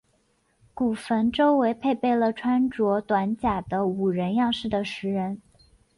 古坟周围配置了穿着短甲的武人样式的石人。